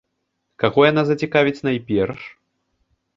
Каго яна зацікавіць найперш?